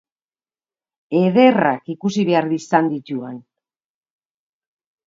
Ederrak ikusi behar izan ditu han!